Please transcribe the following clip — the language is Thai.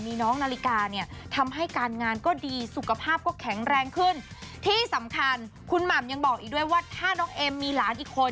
คุณหม่ำยังบอกอีกด้วยว่าถ้าน้องเอมมีหลานอีกคน